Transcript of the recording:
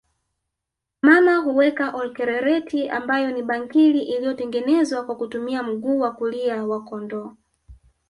Mama huweka Olkererreti ambayo ni bangili iliyotengenezwa kwa kutumia mguu wa kulia wa kondoo